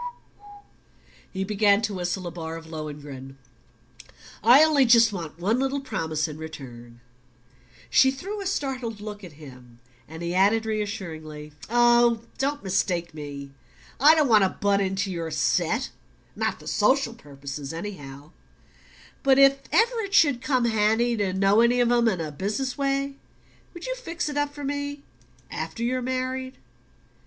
He began to whistle a bar of Lohengrin. "I only just want one little promise in return." She threw a startled look at him and he added reassuringly: "Oh, don't mistake me. I don't want to butt into your set not for social purposes, anyhow; but if ever it should come handy to know any of 'em in a business way, would you fix it up for me AFTER YOU'RE MARRIED?'"